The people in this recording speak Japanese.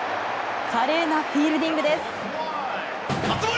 華麗なフィールディングです。